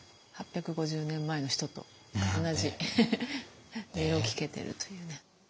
８５０年前の人と同じ音色を聞けてるというね。